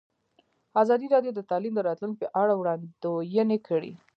ازادي راډیو د تعلیم د راتلونکې په اړه وړاندوینې کړې.